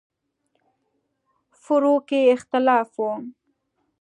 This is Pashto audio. فروع کې اختلاف و.